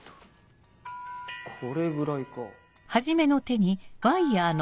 これぐらいか。